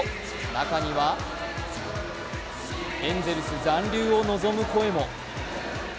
中にはエンゼルス残留を望む声も。